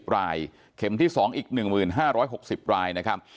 รายเข็มที่๒อีก๑๕๖๐รายนะครับ